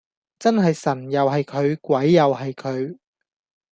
真係神又係佢鬼又係佢